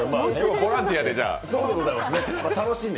ボランティアで。